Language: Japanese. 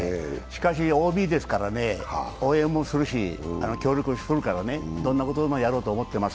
ＯＢですからね、応援もするし協力もするからね、どんなことでもやろうと思ってます。